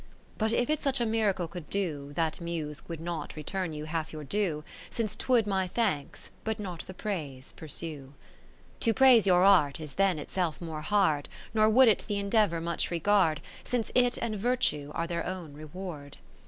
II But if it such a miracle could do, That Muse would not return you half your due, Since 'twould my thanks, but not the praise pursue. Ill To praise your art is then itself more hard. Nor would it the endeavour much regard, Since it and Virtue are their own reward.